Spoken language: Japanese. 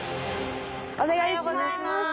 お願いします。